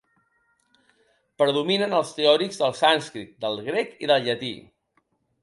Predominen els teòrics del sànscrit, del grec i del llatí.